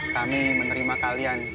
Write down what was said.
kami menerima kalian